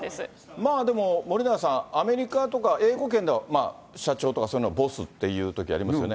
まあでも、森永さん、アメリカとか英語圏では、社長とかそういうのをボスって言うときありますよね。